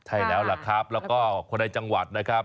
ใช่แล้วล่ะครับแล้วก็คนในจังหวัดนะครับ